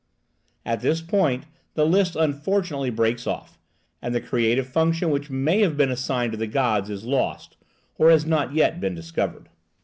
At this point the list unfortunately breaks off, and the creative function which may have been assigned to the gods is lost, or has not yet been discovered.